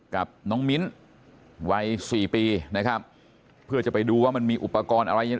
กับน้องมิ้นวัยสี่ปีนะครับเพื่อจะไปดูว่ามันมีอุปกรณ์อะไรยังไง